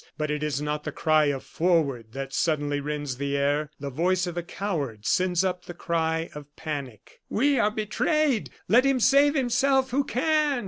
But it is not the cry of "Forward!" that suddenly rends the air. The voice of a coward sends up the cry of panic: "We are betrayed! Let him save himself who can!"